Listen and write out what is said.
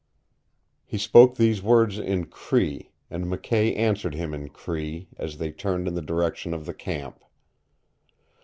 He spoke these words in Cree, and McKay answered him in Cree as they turned in the direction of the camp.